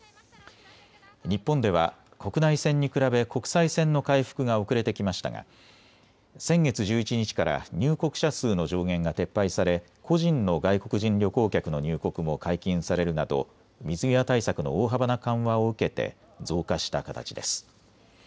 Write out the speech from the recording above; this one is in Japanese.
日本では国内線に比べ国際線の回復が遅れてきましたが先月１１日から入国者数の上限が撤廃され個人の外国人旅行客の入国も解禁されるなど水際対策の大幅な緩和を受けて増加した形です。